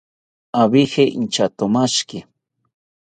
Abije intyatomashiki